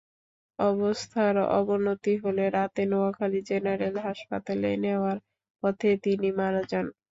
অবস্থার অবনতি হলে রাতে নোয়াখালী জেনারেল হাসপাতালে নেওয়ার পথে তিনি মারা যান।